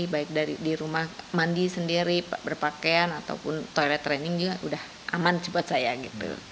baik dari di rumah mandi sendiri berpakaian ataupun toilet training juga udah aman buat saya gitu